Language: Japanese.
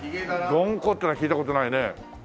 ドンコっていうのは聞いた事ないね。